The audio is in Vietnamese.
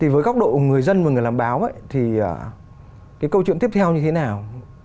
với góc độ người dân và người làm báo thì câu chuyện tiếp theo như thế nào